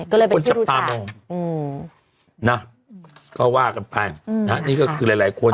คนจับตามเขานะก็ว่ากันไปนี่ก็คือหลายคน